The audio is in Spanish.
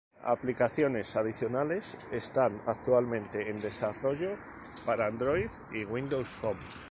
Aplicaciones adicionales están actualmente en desarrollo para Android y Windows Phone.